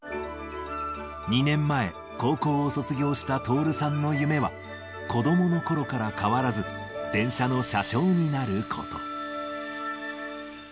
２年前、高校を卒業したトオルさんの夢は、子どものころから変わらず、電車の車掌になること。